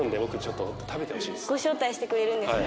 ご招待してくれるんですか？